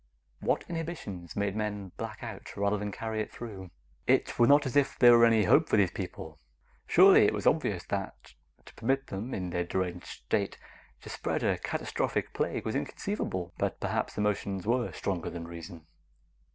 What inhibitions made men black out rather than carry it through? It was not as if there were any hope for these people. Surely, it was obvious that to permit them, in their deranged state, to spread a catastrophic plague was inconceivable. But perhaps emotions were stronger than reason.